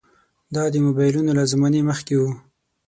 دا د موبایلونو له زمانې مخکې وو.